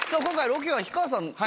今回ロケは氷川さん